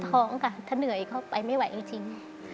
ท้องค่ะถ้าเหนื่อยเข้าไปไม่ไหวจริง